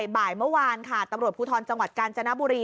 บ่ายเมื่อวานค่ะตำรวจภูทรจังหวัดกาญจนบุรี